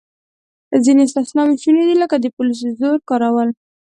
ځینې استثناوې شونې دي، لکه د پولیسو زور کارول.